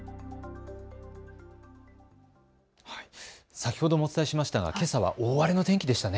先ほどもお伝えしましたがけさは大荒れの天気でしたね。